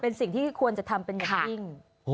เป็นสิ่งที่ควรจะทำเป็นอย่างยิ่ง